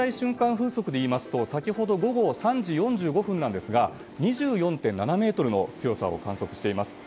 風速でいいますと先ほど午後３時４５分なんですが２４．７メートルの強さを観測しています。